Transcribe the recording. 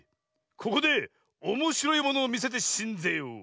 ここでおもしろいものをみせてしんぜよう。